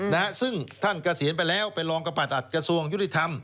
นะฮะซึ่งท่านเกษียณไปแล้วเป็นรองกระปัดอัดกระทรวงยุติธรรม